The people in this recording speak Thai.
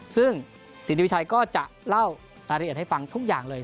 ซึ่งสินทวิชัยก็จะเล่ารายละเอียดให้ฟังทุกอย่างเลย